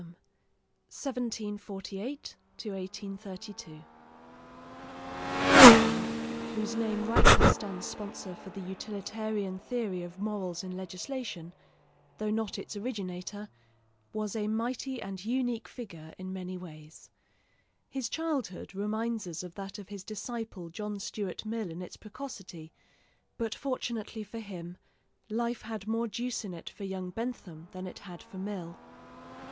No Skål! JEREMY BENTHAM (1748 1832) Bentham, whose name rightly stands sponsor for the utilitarian theory of morals in legislation, though not its originator, was a mighty and unique figure in many ways. His childhood reminds us of that of his disciple John Stuart Mill in its precocity; but fortunately for him, life had more juice in it for young Bentham than it had for Mill.